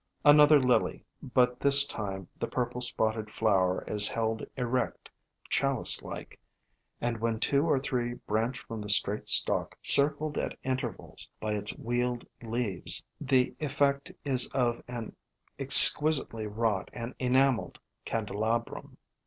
Another Lily, but this time the purple spotted flower is held erect, chalice like, and when two or three branch from the straight stalk, circled at intervals by its wheeled leaves, the FLOWERS OF THE SUN 231 I stopped with effect is of an exquisitely wrought and enameled candelabrum.